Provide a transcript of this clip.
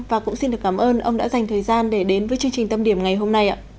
và cũng xin được cảm ơn ông đã dành thời gian để đến với chương trình tâm điểm ngày hôm nay